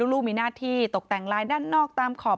ลูกมีหน้าที่ตกแต่งลายด้านนอกตามขอบ